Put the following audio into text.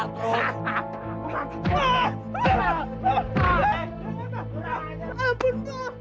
ambil pak ambil